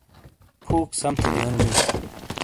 فوک سم تھے دیونی بئے